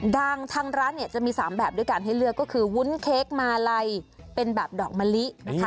ดังทั้งร้านจะมี๓แบบด้วยการให้เลือกก็คือวุ้นเค้กมาลัยเป็นแบบดอกมะลิ